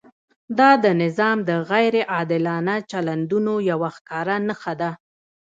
دا د نظام د غیر عادلانه چلندونو یوه ښکاره نښه ده.